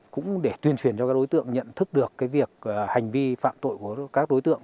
cũng để tuyên truyền cho các đối tượng nhận thức được việc hành vi phạm tội của các đối tượng